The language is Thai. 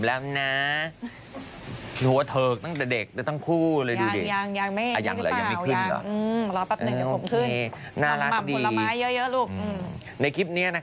แล้วก็เต้นไปกินไปกินไปแต่อี